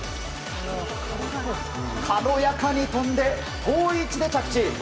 軽やかに跳んで遠い位置で着地。